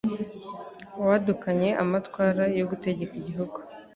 wadukanye amatwara yo gutegeka igihugu